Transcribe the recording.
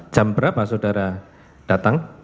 jam berapa saudara datang